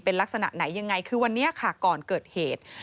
เป็นลักษณะไหนยังไงคือวันนี้ค่ะก่อนเกิดเหตุ